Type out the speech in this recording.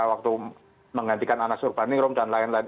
waktu menggantikan anak surbaningrum dan lain lain